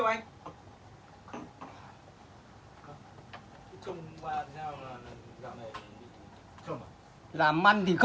xong rồi lại bắt hạt bẹt